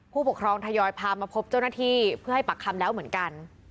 ผู้ปกครองทยอยพามาพบเจ้าหน้าที่เพื่อให้ปากคำแล้วเหมือนกัน